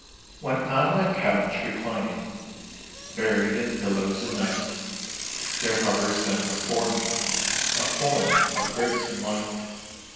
When on my couch reclining, Buried in pillows and night, There hovers then before me A form of grace and light.